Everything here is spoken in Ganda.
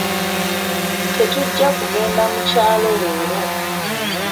Tetujja kugenda mukyalo leero.